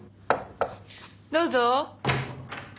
どうぞ。